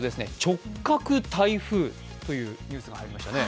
直角台風というニュースが入りましたね。